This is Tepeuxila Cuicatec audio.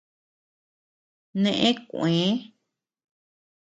Neʼe kuëe.